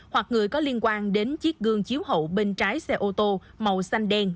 hoặc người có liên quan đến chiếc gương chiếu hậu bên trái xe ô tô màu xanh đen